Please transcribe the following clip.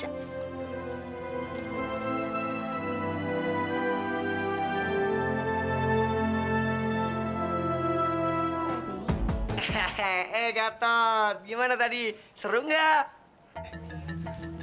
hehehe eh gatot gimana tadi seru gak